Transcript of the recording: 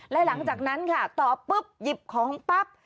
และหลังจากนั้นค่ะตอบปุ๊บหยิบของปั๊บ